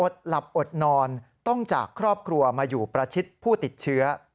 หลับอดนอนต้องจากครอบครัวมาอยู่ประชิดผู้ติดเชื้อ